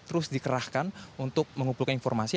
terus dikerahkan untuk mengumpulkan informasi